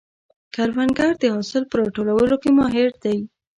کروندګر د حاصل په راټولولو کې ماهر دی